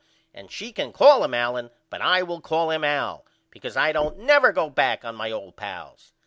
And she can call him Allen but I will call him Al because I don't never go back on my old pals.